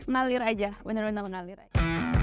menalir aja benar benar menalir aja